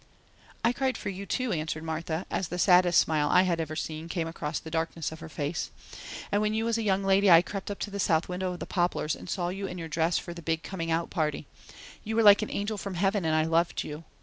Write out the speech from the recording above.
"I cried for you, too," answered Martha, as the saddest smile I had ever seen came across the darkness of her face. "And when you was a young lady I crept up to the south window of the Poplars and saw you in your dress for the big coming out party. You were like an angel from Heaven and I loved you.